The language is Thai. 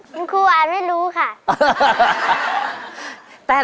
คุณครูอาจไม่รู้ค่ะ